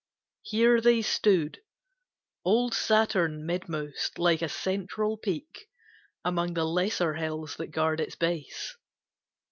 Here they stood, Old Saturn midmost, like a central peak Among the lesser hills that guard its base.